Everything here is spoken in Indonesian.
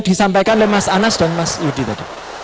disampaikan oleh mas anas dan mas yudi tadi